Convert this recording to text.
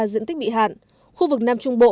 diện tích bị hạn khu vực nam trung bộ